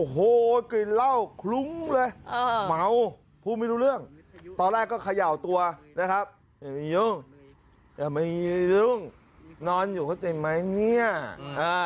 ตอนแรกก็เขย่าตัวนะครับอย่ามียุ่งอย่ามียุ่งนอนอยู่เข้าใจไหมเนี้ยอ่า